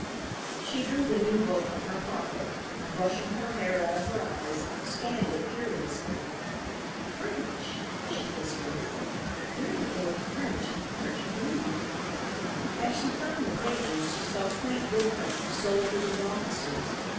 She drew the new book from her pocket and, brushing her hair out of her eyes, scanned it curiously. "French," she whispered. "Very old French and hard to read." As she thumbed the pages she saw quaint woodcuts of soldiers and officers.